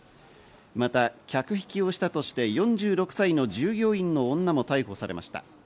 また客引きをしたとして４６歳の従業員の女も逮捕されました。